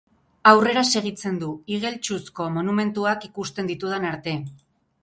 Aurrera segitzen du, igeltsuzko monumentuak ikusten ditudan arte.